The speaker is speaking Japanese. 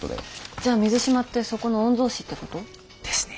じゃあ水島ってそこの御曹子ってこと？ですね。